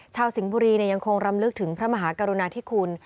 สิงห์บุรียังคงรำลึกถึงพระมหากรุณาธิคุณ